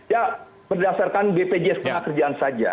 ya berdasarkan bpjs tenaga kerjaan saja